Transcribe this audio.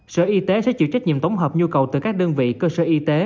sở y tế sẽ chịu trách nhiệm tổng hợp nhu cầu từ các đơn vị cơ sở y tế